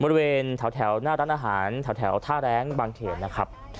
บริเวณแถวหน้าร้านอาหารแถวท่าแรงบางเขนนะครับ